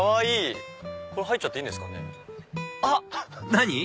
何？